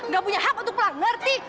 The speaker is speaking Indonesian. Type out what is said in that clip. gak punya hak untuk pulang ngerti